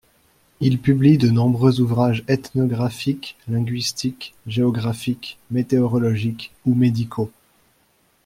Il publie de nombreux ouvrages ethnographiques, linguistiques, géographiques, météorologiques ou médicaux.